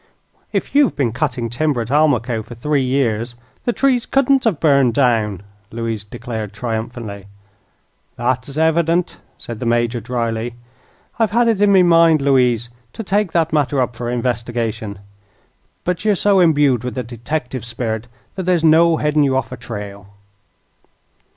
"If you've been cutting timber at Almaquo for three years, the trees couldn't have burned down," Louise declared, triumphantly. "That is evident," said the Major, dryly. "I've had it in me mind, Louise, to take that matter up for investigation; but you are so imbued with the detective spirit that there's no heading you off a trail."